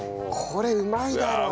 これうまいだろ。